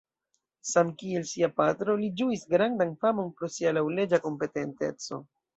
Samkiel sia patro, li ĝuis grandan famon pro sia laŭleĝa kompetenteco.